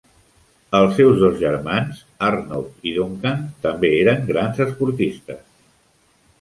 Els seus dos germans Arnold i Duncan també eren grans esportistes.